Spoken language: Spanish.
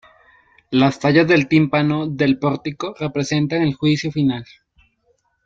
Las tallas del tímpano del pórtico representan el Juicio Final.